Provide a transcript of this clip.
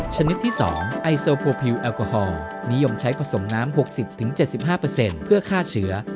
ชนิดที่๒ไอโซโพพิวแอลกอฮอลนิยมใช้ผสมน้ำ๖๐๗๕เพื่อฆ่าเชื้อ